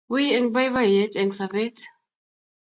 Wiy eng boiboiyet eng sobet